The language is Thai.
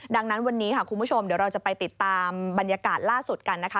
ดังนั้นวันนี้ค่ะคุณผู้ชมเดี๋ยวเราจะไปติดตามบรรยากาศล่าสุดกันนะคะ